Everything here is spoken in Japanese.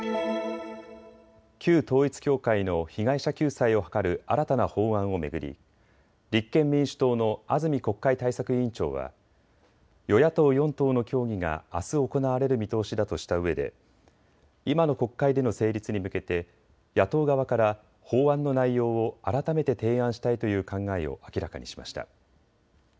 旧統一教会の被害者救済を図る新たな法案を巡り立憲民主党の安住国会対策委員長は与野党４党の協議があす行われる見通しだとしたうえで今の国会での成立に向けて野党側から法案の内容を改めて提案したいという考えを明らかにしました。